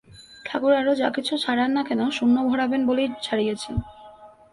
ঠাকুর আরো যা-কিছু ছাড়ান-না কেন, শূন্য ভরাবেন বলেই ছাড়িয়েছেন।